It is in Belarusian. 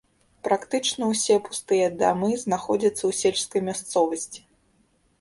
Практычна ўсе пустыя дамы знаходзяцца ў сельскай мясцовасці.